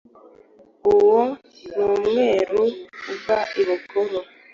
Uwo N’umweru uva ibukuru